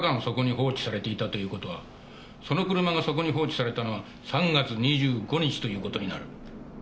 そこに放置されていたという事はその車がそこに放置されたのは３月２５日という事になる。